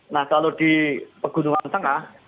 nah kalau di pegunungan tengah